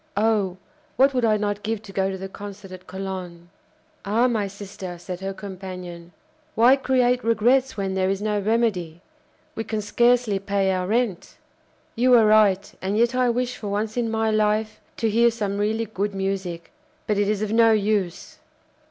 Oh! what would I not give to go to the concert at Cologne!" "Ah! my sister," said her companion; "why create regrets when there is no remedy? We can scarcely pay our rent." "You are right, and yet I wish for once in my life to hear some really good music. But it is of no use."